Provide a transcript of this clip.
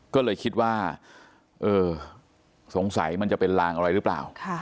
ก็เลยคิดว่าเออสงสัยมันจะเป็นลางอะไรหรือเปล่า